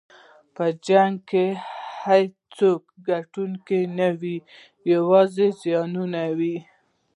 په جنګ کې هېڅوک ګټونکی نه وي، یوازې زیانونه وي.